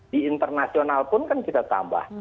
di internasional pun kan kita tambah